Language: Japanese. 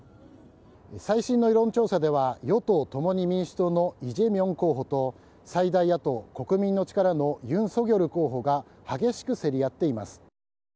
最新の世論調査では、与党・共に民主党のイ・ジェミョン候補と最大野党・国民の力のユン・ソギョル候補が激しく競り合っています。